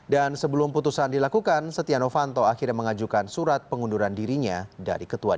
dan sebelum putusan dilakukan setia novanto akhirnya mengajukan surat pengunduran dirinya dari ketua dpr